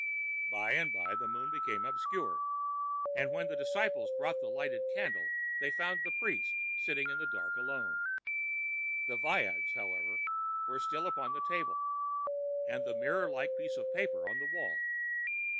By and by the moon became obscured; and when the disciples brought a lighted candle they found the priest sitting in the dark alone. The viands, however, were still upon the table and the mirror like piece of paper on the wall.